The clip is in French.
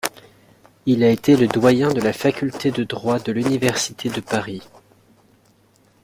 Il a été le doyen de la Faculté de droit de l'Université de Paris.